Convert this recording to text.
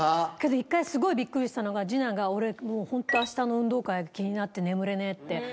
ただ一回、すごいびっくりしたのが、次男が俺、もう本当、あしたの運動会気になって眠れねぇって。